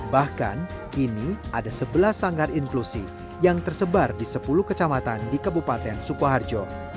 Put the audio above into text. bahkan kini ada sebelas sanggar inklusi yang tersebar di sepuluh kecamatan di kabupaten sukoharjo